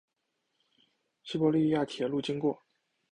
西伯利亚铁路经过。